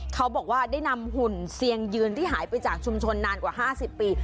เขาบอกว่าได้นำหุ่นเซียงยืนที่หายไปจากชุมชนนานกว่า๕๐ปี